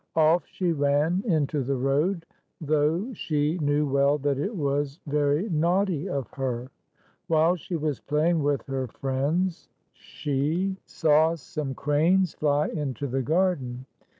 Off she ran into the road, though she knew well that it was very naughty of her. While she was playing with her friends, she 41 saw some cranes fly into the garden.